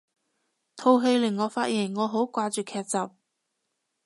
套戲令我發現我好掛住劇集